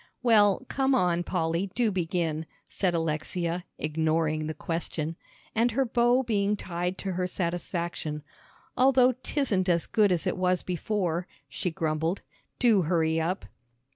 "Well, come on, Polly, do begin," said Alexia, ignoring the question; and her bow being tied to her satisfaction, "although 'tisn't as good as it was before," she grumbled, "do hurry up."